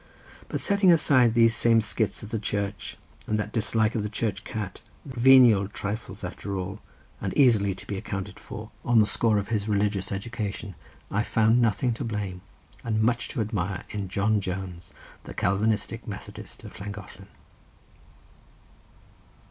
But setting aside those same skits at the Church and that dislike of the church cat, venial trifles after all, and easily to be accounted for, on the score of his religious education, I found nothing to blame and much to admire in John Jones the Calvinistic Methodist of Llangollen.